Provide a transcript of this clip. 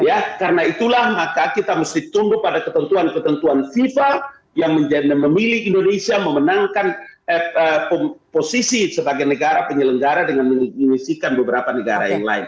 ya karena itulah maka kita mesti tunggu pada ketentuan ketentuan fifa yang memilih indonesia memenangkan posisi sebagai negara penyelenggara dengan mengisikan beberapa negara yang lain